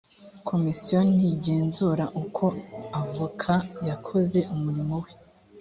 komisiyo ntigenzura uko avoka yakoze umurimo we .